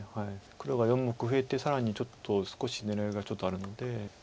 黒が４目増えて更にちょっと少し狙いがちょっとあるので。